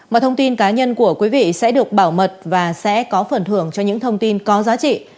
mọi thông tin cá nhân của quý vị sẽ được bảo mật và sẽ có phần thưởng cho những thông tin có giá trị